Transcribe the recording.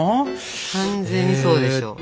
完全にそうでしょ今の。